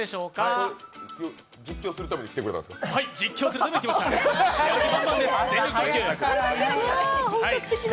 今日、実況するために来てくれたんですか？